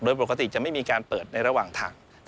โดยปกติจะไม่มีการเปิดในระหว่างทาง